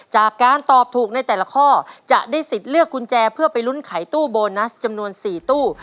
จากการตอบถูกในแต่ละข้อจะได้สิทธิ์เลือกกุญแจเพื่อไปลุ้นไขตู้โบนัสจำนวน๔ตู้